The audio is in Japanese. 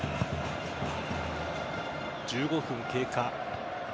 １５分経過。